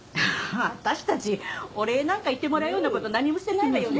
私たちお礼なんか言ってもらうようなこと何もしてないわよね。